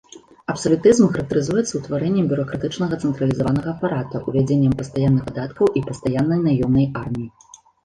Абсалютызм характарызуецца утварэннем бюракратычнага цэнтралізаванага апарата, увядзеннем пастаянных падаткаў і пастаяннай наёмнай арміі.